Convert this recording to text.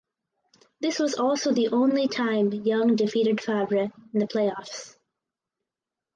This was also the only time Young defeated Favre in the playoffs.